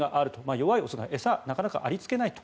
弱い雄が餌になかなかありつけないと。